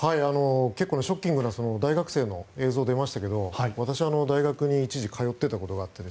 結構ショッキングな大学生の映像が出ましたけど私は大学に一時通っていたことがあって